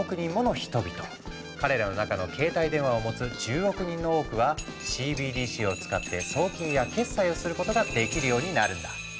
彼らの中の携帯電話を持つ１０億人の多くはＣＢＤＣを使って送金や決済をすることができるようになるんだ。